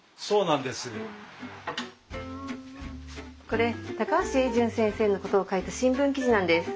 これ高橋榮順先生のことを書いた新聞記事なんです。